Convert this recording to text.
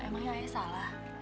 emangnya ayah salah